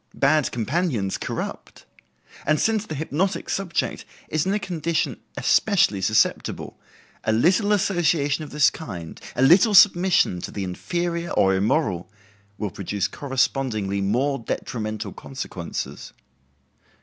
Bad companions corrupt. And since the hypnotic subject is in a condition especially susceptible, a little association of this kind, a little submission to the inferior or immoral, will produce correspondingly more detrimental consequences.